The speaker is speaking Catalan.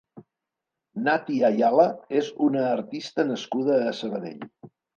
Nati Ayala és una artista nascuda a Sabadell.